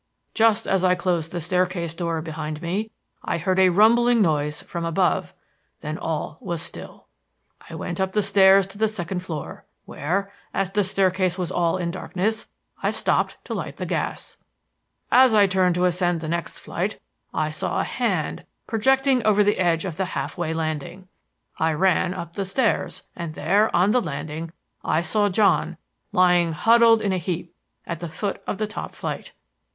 Just as I closed the staircase door behind me, I heard a rumbling noise from above; then all was still. "I went up the stairs to the second floor, where, as the staircase was all in darkness, I stopped to light the gas. As I turned to ascend the next flight, I saw a hand projecting over the edge of the half way landing. I ran up the stairs, and there, on the landing, I saw John lying huddled up in a heap at the foot of the top flight.